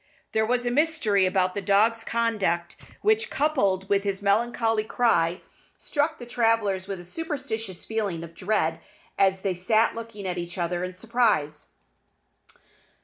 There was a mystery about the dog's conduct which, coupled with his melancholy cry, struck the travellers with a superstitious feeling of dread, as they sat looking at each other in surprise.